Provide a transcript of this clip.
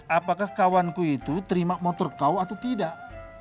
apakah kawanku itu terima motor kau atau tidak